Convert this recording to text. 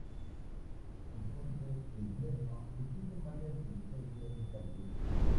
En Fuente el Fresno existen varias licencias de taxis.